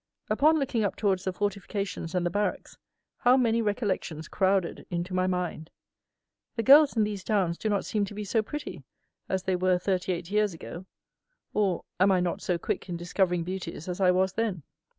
Upon looking up towards the fortifications and the barracks, how many recollections crowded into my mind! The girls in these towns do not seem to be so pretty as they were thirty eight years ago; or, am I not so quick in discovering beauties as I was then?